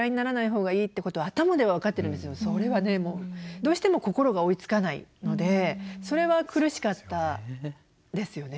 どうしても心が追いつかないのでそれは苦しかったですよね。